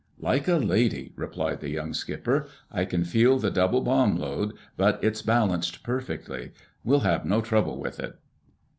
"Like a lady!" replied the young skipper. "I can feel the double bomb load, but it's balanced perfectly. We'll have no trouble with it."